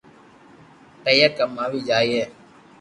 پييا ڪماوي جائي